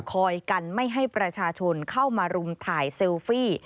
กันไม่ให้ประชาชนเข้ามารุมถ่ายเซลฟี่